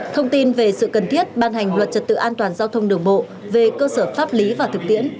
thông tin về sự cần thiết ban hành luật trật tự an toàn giao thông đường bộ về cơ sở pháp lý và thực tiễn